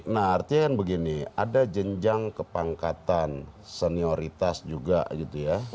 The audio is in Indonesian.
nah artinya kan begini ada jenjang kepangkatan senioritas juga gitu ya